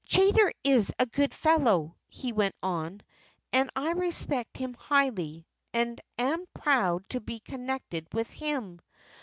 "Chaytor is a good fellow," he went on, "and I respect him highly, and am proud to be connected with him.